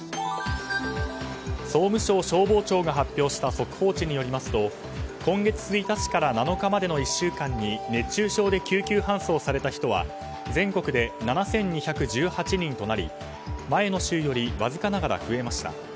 総務省消防庁が発表した速報値によりますと今月１日から７日までの１週間に熱中症で救急搬送された人は全国で７２１８人となり前の週よりわずかながら増えました。